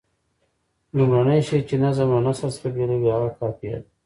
لومړنی شی چې نظم له نثر څخه بېلوي هغه قافیه ده.